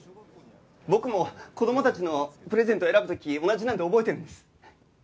僕も子供たちのプレゼント選ぶ時同じなんで覚えてるんです。